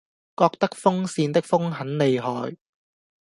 覺得風扇的風很厲害